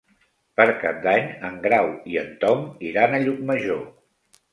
Per Cap d'Any en Grau i en Tom iran a Llucmajor.